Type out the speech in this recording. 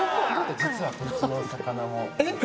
実はこっちの魚もえっ？